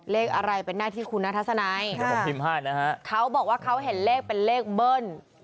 เลขอะไรเป็นหน้าที่คุณนักทัศนัยเขาบอกว่าเขาเห็นเลขเป็นเลขเบิ้ล